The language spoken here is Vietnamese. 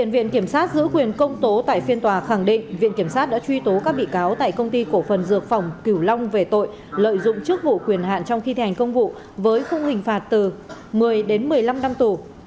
viện kiểm sát giữ quyền công tố tại phiên tòa khẳng định viện kiểm sát đã truy tố các bị cáo tại công ty cổ phần dược phẩm cửu long về tội lợi dụng chức vụ quyền hạn trong khi thi hành công vụ với khung hình phạt từ một mươi đến một mươi năm năm tù